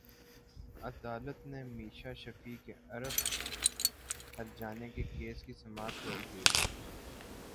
عدالت نے میشا شفیع کے ارب ہرجانے کے کیس کی سماعت روک دی